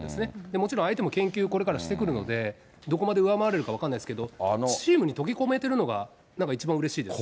もちろん相手も研究これからしてくるので、どこまで上回れるか分からないですけど、チームに溶け込めてるのがなんか一番うれしいです。